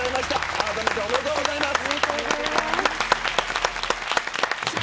あらためておめでとうございます。